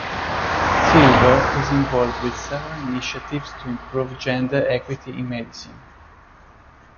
Silver is involved with several initiatives to improve gender equity in medicine.